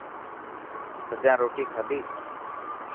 سڄان روتي کاڌي.